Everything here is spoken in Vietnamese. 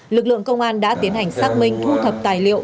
lực lượng công an đã tiến hành xác minh thu thập tài liệu